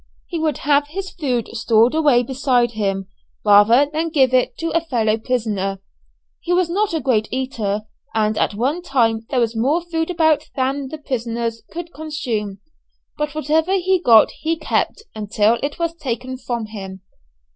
He would have his food stored away beside him, rather than give it to a fellow prisoner. He was not a great eater, and at one time there was more food about than the prisoners could consume; but whatever he got he kept until it was taken from him.